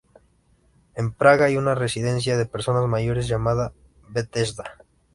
En Praga hay una residencia de personas mayores llamada Bethesda.